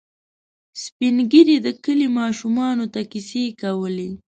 سپين ږیري د کلي ماشومانو ته کیسې کولې.